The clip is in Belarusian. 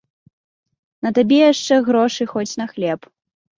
На табе яшчэ грошы, хоць на хлеб.